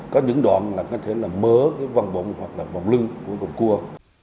có những đoạn có thể là mớ vòng bộng hoặc là vòng lưng của đoạn cua